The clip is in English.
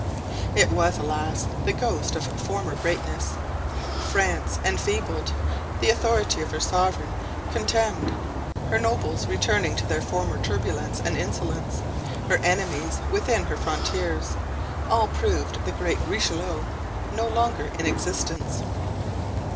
It was, alas! the ghost of former greatness. France enfeebled, the authority of her sovereign contemned, her nobles returning to their former turbulence and insolence, her enemies within her frontiers—all proved the great Richelieu no longer in existence.